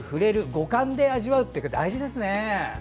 五感で味わうって大事ですね。